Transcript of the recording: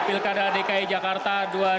pilkada dki jakarta dua ribu delapan belas